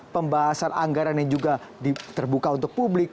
pembahasan anggaran yang juga terbuka untuk publik